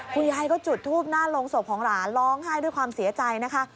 คุณยายก็จุดทูบหน้าโรงศพของหลานร้องไห้ด้วยความเสียใจนะคะ